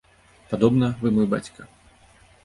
Падобна, вы мой бацька.